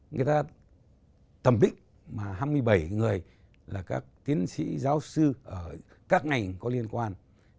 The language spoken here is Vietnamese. người ta thẩm định mà hai mươi bảy người là các tiến sĩ giáo sư ở các ngành có liên quan